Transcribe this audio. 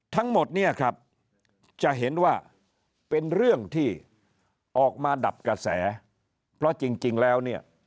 ทั้งหมดเนี่ยครับจะเห็นว่าเป็นเรื่องที่ออกมาดับกระแสเพราะจริงแล้วเนี่ย